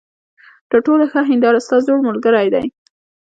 تر ټولو ښه هینداره ستا زوړ ملګری دی.